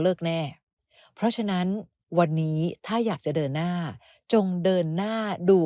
แน่เพราะฉะนั้นวันนี้ถ้าอยากจะเดินหน้าจงเดินหน้าดู